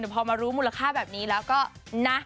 แต่พอมารู้มูลค่าแบบนี้แล้วก็นะ